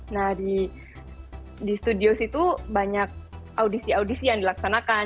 nah di studio situ banyak audisi audisi yang dilaksanakan